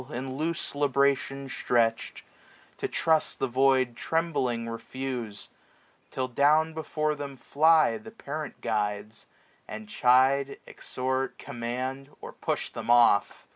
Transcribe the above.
In loose libration stretch'd, to trust the void 740 Trembling refuse : Till down before them fly The parent guides, and chide, exhort, command, Or push them off.